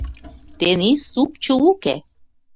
Тений сукчо уке.